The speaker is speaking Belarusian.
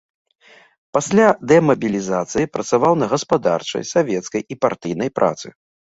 Пасля дэмабілізацыі працаваў на гаспадарчай, савецкай і партыйнай працы.